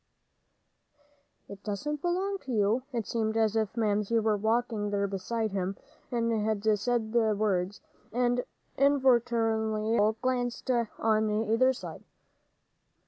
"It doesn't belong to you." It seemed as if Mamsie was walking there beside him, and had said the words, and involuntarily Joel glanced on either side.